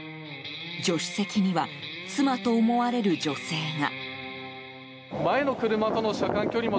助手席には妻と思われる女性が。